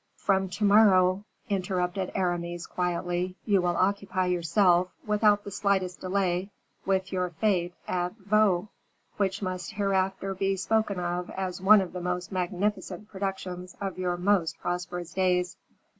"From to morrow," interrupted Aramis, quietly, "you will occupy yourself, without the slightest delay, with your fete at Vaux, which must hereafter be spoken of as one of the most magnificent productions of your most prosperous days."